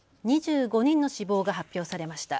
２５人の死亡が発表されました。